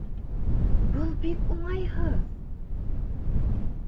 Был бик уңайһыҙ!